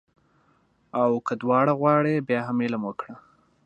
او که دواړه غواړې بیا هم علم وکړه